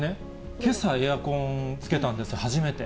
けさ、エアコンつけたんです、初めて。